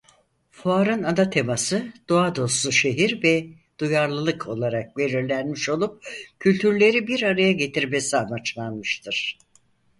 Fuarın ana teması "Doğa Dostu Şehir ve Duyarlılık" olarak belirlenmiş olup kültürleri bir araya getirmesi amaçlanmıştır.